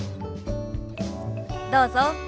どうぞ。